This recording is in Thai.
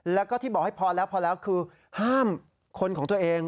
แล้วก็ที่บอกให้พอแล้วพอแล้วคือห้ามคนของตัวเอง